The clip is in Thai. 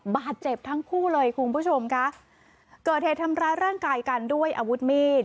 บาดเจ็บทั้งคู่เลยคุณผู้ชมค่ะเกิดเหตุทำร้ายร่างกายกันด้วยอาวุธมีด